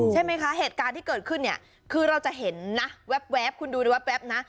ใช่ไหมคะเหตุการณ์ที่เกิดขึ้นเนี่ยคือเราจะเห็นนะแว๊บคุณดูแป๊บนะ